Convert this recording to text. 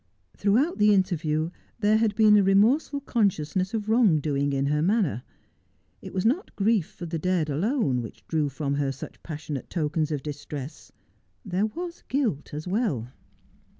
Throughout the interview there had been a remorseful consciousness of wrong doing in her manner. It w,n not grief for the dead alone which drew from her such passionate tokens of distress. There was guilt as well.